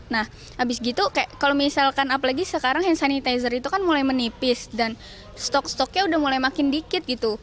nah abis gitu kalau misalkan apalagi sekarang hand sanitizer itu kan mulai menipis dan stok stoknya udah mulai makin dikit gitu